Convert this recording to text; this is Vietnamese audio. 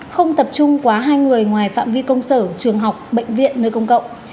không tập trung quá hai người ngoài phạm vi công sở trường học bệnh viện nơi công cộng